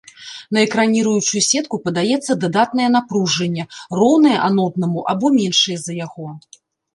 На экраніруючую сетку падаецца дадатнае напружанне, роўнае аноднаму або меншае за яго.